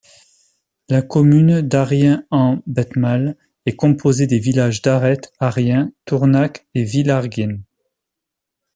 La commune d'Arrien-en-Bethmale est composée des villages d'Aret, Arrien, Tournac et Villargein.